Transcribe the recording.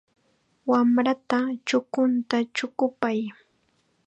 Wamrata chukunta chukupay.